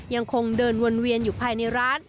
ยังคงเดินวนเวียนอยู่ภายในร้าน